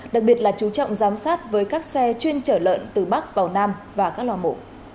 đặc biệt là chú trọng giám sát với các xe chuyên chở lợn từ bắc vào nam và các lò mổ